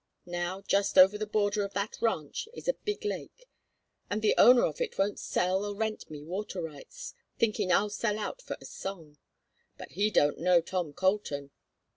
Now, just over the border of that ranch is a big lake, and the owner of it won't sell or rent me water rights, thinking I'll sell out for a song. But he don't know Tom Colton.